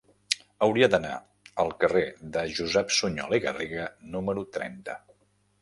Hauria d'anar al carrer de Josep Sunyol i Garriga número trenta.